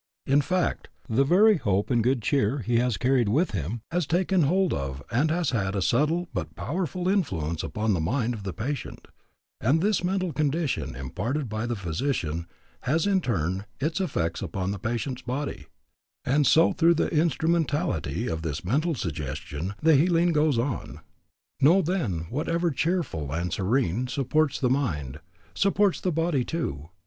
In fact, the very hope and good cheer he has carried with him has taken hold of and has had a subtle but powerful influence upon the mind of the patient; and this mental condition imparted by the physician has in turn its effects upon the patient's body, and so through the instrumentality of this mental suggestion the healing goes on. "Know, then, whatever cheerful and serene Supports the mind, supports the body, too.